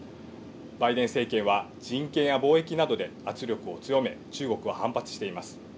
バイデン政権は人権や貿易などで圧力を強め、中国は反発しています。